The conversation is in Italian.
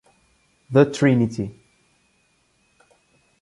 The Trinity